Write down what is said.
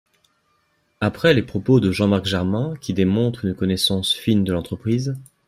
Après les propos de Jean-Marc Germain, Qui démontrent une connaissance fine de l’entreprise